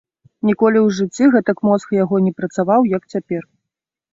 Ніколі ў жыцці гэтак мозг яго не працаваў, як цяпер.